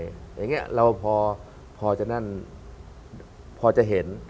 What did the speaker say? อย่างนี้เราพอจะนั่นพอจะเห็น